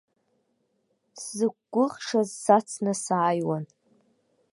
Сзықәгәыӷшаз сацны сааиуан.